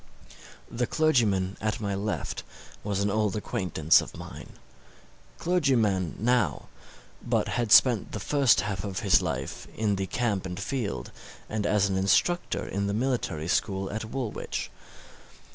The clergyman at my left was an old acquaintance of mine clergyman now, but had spent the first half of his life in the camp and field, and as an instructor in the military school at Woolwich.